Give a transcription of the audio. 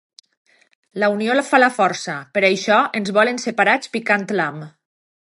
La unió fa la força per això ens volen separats picant l'ham